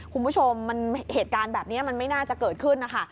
คุณผู้ชมมันเหตุการณ์แบบนี้มันไม่น่าจะเกิดขึ้นนะคะ